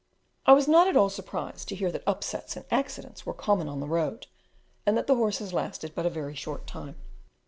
I was not at all surprised to hear that upsets and accidents were common on the road, and that the horses lasted but a very short time.